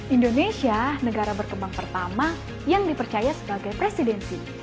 indonesia negara berkembang pertama yang dipercaya sebagai presidensi